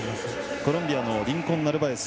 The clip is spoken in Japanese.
コロンビアのリンコンナルバエス